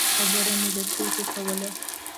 خبره مې د ټوکو کوله.